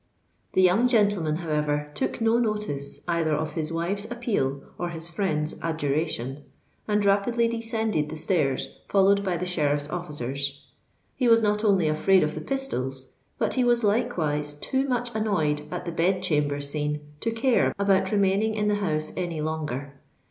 The young gentleman, however, took no notice either of his wife's appeal or his friend's adjuration, and rapidly descended the stairs, followed by the sheriff's officers. He was not only afraid of the pistols; but he was likewise too much annoyed at the bed chamber scene to care about remaining in the house any longer.